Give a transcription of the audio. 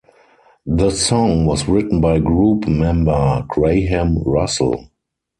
The song was written by group member Graham Russell.